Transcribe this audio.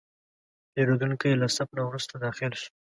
پیرودونکی له صف نه وروسته داخل شو.